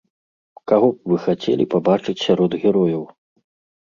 Каго б вы хацелі пабачыць сярод герояў?